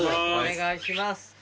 お願いします。